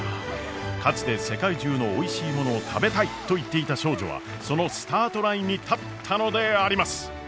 かつて世界中のおいしいものを食べたいと言っていた少女はそのスタートラインに立ったのであります！